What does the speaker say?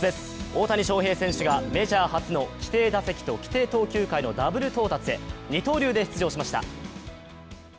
大谷翔平選手がメジャー初の規定打席と規定投球回のダブル到達へ二刀流で出場しました。